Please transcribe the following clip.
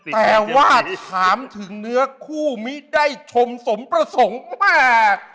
แต่ว่าถามถึงเนื้อคู่มิได้ชมสมประสงค์มาก